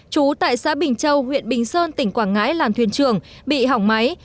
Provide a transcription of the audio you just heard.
chú tại xã bình châu huyện bình sơn tỉnh quảng ngãi làm thuyền trường bị hỏng máy